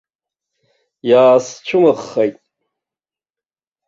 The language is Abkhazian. Иаасцәымӷхеит.